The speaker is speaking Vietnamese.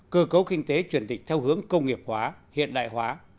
cơ cấu kinh tế truyền định theo hướng công nghiệp hóa hiện đại hóa